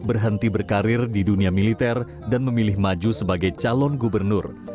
berhenti berkarir di dunia militer dan memilih maju sebagai calon gubernur